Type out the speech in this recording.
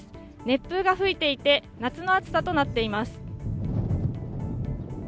熱風が吹いていて、夏の暑さとなっています。